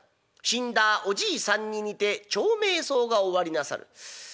死んだおじいさんに似て長命相がおありなさる。